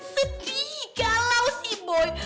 sedih galau si boy